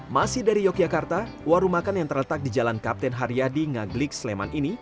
masih dari yogyakarta warung makan yang terletak di jalan kapten haryadi ngaglik sleman ini